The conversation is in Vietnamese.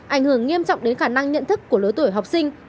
ảnh hưởng nghiêm trọng đến khả năng nhận thức của lứa tuổi học sinh